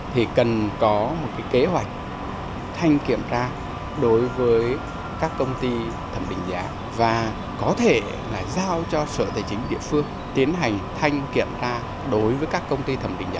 thì cần có một kế hoạch thanh kiểm tra đối với các công ty thẩm định giá và có thể là giao cho sở tài chính địa phương tiến hành thanh kiểm tra đối với các công ty thẩm định giá